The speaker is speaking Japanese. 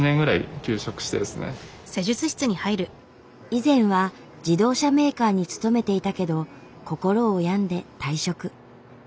以前は自動車メーカーに勤めていたけど心を病んで退職。